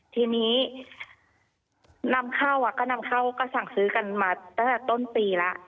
ทีนี้นำเข้าก็นำเข้าก็สั่งซื้อกันมาตั้งแต่ต้นปีแล้ว